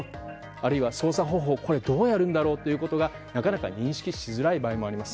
あるいは操作方法どうやるんだろうということがなかなか認識しづらい場合もあります。